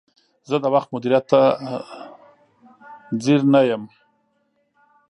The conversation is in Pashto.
زه د وخت مدیریت ته نه ځیر یم.